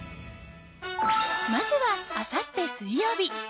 まずは、あさって水曜日。